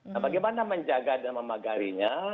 nah bagaimana menjaga dan memagarinya